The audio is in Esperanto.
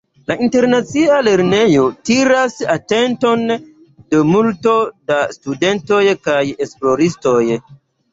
La Internacia Lernejo tiras atenton de multo da studentoj kaj esploristoj.